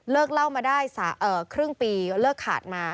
เล่ามาได้ครึ่งปีเลิกขาดมา